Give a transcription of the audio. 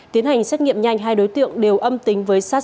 tiến hành xét nghiệm nhanh hai đối tượng đều âm tính với sars cov hai